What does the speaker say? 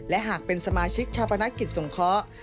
และหากเป็นสมาชิกชาปนกิจสงเคราะห์